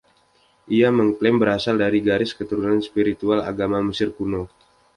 Ia mengklaim berasal dari garis keturunan spiritual agama Mesir Kuno.